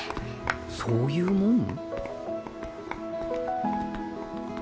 そういうもん？